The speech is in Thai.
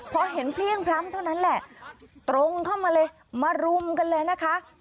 พอเห็นเพลี่ยงพล้ำเท่านั้นแหละตรงเข้ามาเลยมารุมกันเลยนะคะ